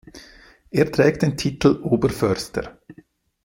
Er trägt den Titel Oberförster.